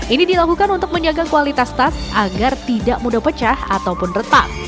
ini dilakukan untuk menjaga kualitas tas agar tidak mudah pecah ataupun retak